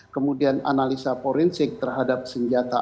kemudian analisa forensik terhadap senjata